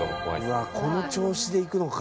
「うわこの調子でいくのか」